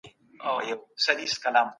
سازمانونه د کارګرانو لپاره څه شرایط ټاکي؟